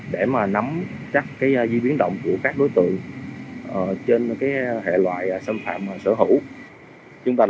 để mà nắm chắc cái di biến động của các đối tượng trên hệ loại xâm phạm sở hữu